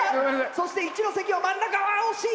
そして一関は真ん中あ惜しい！